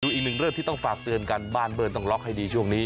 อีกหนึ่งเรื่องที่ต้องฝากเตือนกันบ้านเบิ้ลต้องล็อกให้ดีช่วงนี้